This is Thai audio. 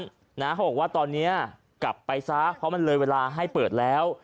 เขาบอกว่าตอนนี้กลับไปซะเพราะมันเลยเวลาให้เปิดแล้ว